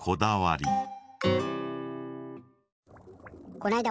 こないだ